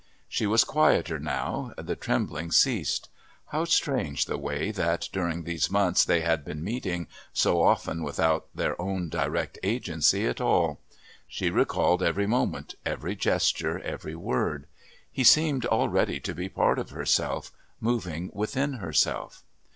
She was quieter now the trembling ceased. How strange the way that during these months they had been meeting, so often without their own direct agency at all! She recalled every moment, every gesture, every word. He seemed already to be part of herself, moving within herself.